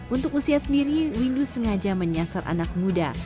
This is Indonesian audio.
untuk usia sendiri windu sengaja menyasar anak muda